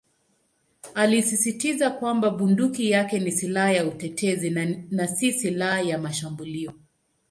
Alisisitiza kwamba bunduki yake ni "silaha ya utetezi" na "si silaha ya mashambulio".